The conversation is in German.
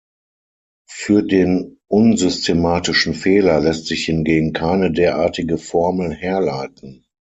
Für den unsystematischen Fehler lässt sich hingegen keine derartige Formel herleiten.